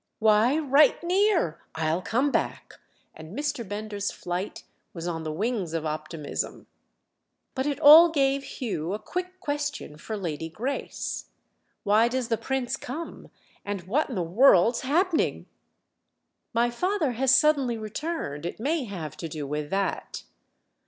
"Why, right near! I'll come back." And Mr. Bender's flight was on the wings of optimism. But it all gave Hugh a quick question for Lady Grace. "Why does the Prince come, and what in the world's happening?" "My father has suddenly returned—it may have to do with that."